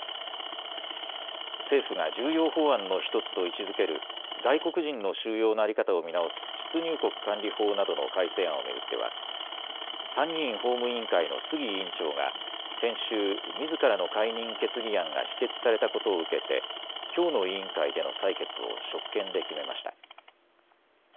政府が重要法案の１つと位置づける外国人の収容の在り方を見直す出入国管理法などの改正案を巡っては参議院法務委員会の杉委員長が先週、みずからの解任決議案が否決されたことを受けてきょうの委員会での採決を職権で決めました。